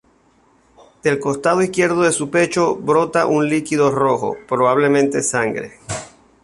Del costado izquierdo de su pecho brota un líquido rojo, probablemente sangre.